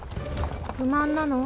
不満なの？